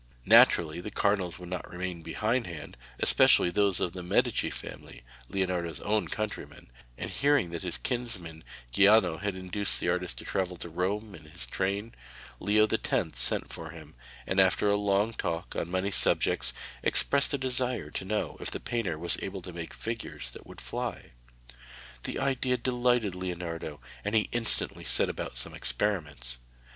Naturally the cardinals would not remain behindhand, especially those of the Medici family, Leonardo's own countrymen, and hearing that his kinsman Giuliano had induced the artist to travel to Rome in his train, Leo X. sent for him and after a long talk on many subjects expressed a desire to know if the painter was able to make figures that would fly. The idea delighted Leonardo, and he instantly set about some experiments.